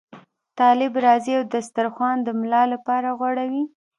طالب راځي او دسترخوان د ملا لپاره غوړوي.